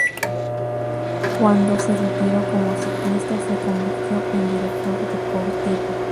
Cuando se retiró como ciclista se convirtió en director deportivo.